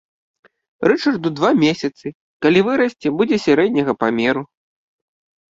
Рычарду два месяцы, калі вырасце, будзе сярэдняга памеру.